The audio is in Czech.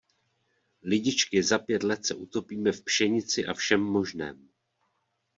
Lidičky, za pět let se utopíme v pšenici a všem možném.